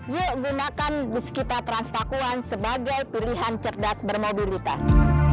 yuk gunakan biskita transpakuan sebagai pilihan cerdas bermobilitas